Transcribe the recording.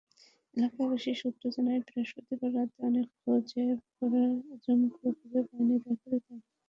এলাকাবাসী সূত্র জানায়, বৃহস্পতিবার রাতে অনেক খোঁজ করেও আজমকে খুঁজে পায়নি তাঁর পরিবার।